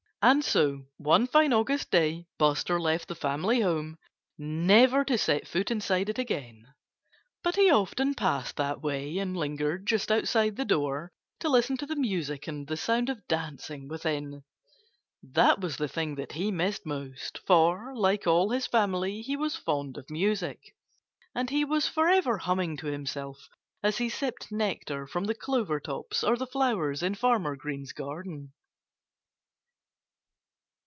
And so, one fine August day, Buster left the family home, never to set foot inside it again. But he often passed that way and lingered just outside the door, to listen to the music and the sound of dancing within. That was the thing that he missed most; for, like all his family, he was fond of music. And he was forever humming to himself as he sipped nectar from the clover tops or the flowers in Farmer Green's garden.